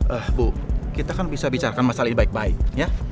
eh bu kita kan bisa bicarakan masalah ini baik baik ya